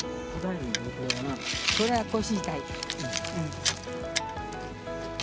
これは腰痛い。